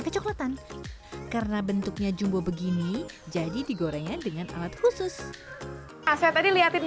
kecoklatan karena bentuknya jumbo begini jadi digorengnya dengan alat khusus aset tadi lihatin